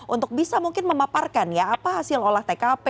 untuk bisa mungkin memaparkan ya apa hasil olah tkp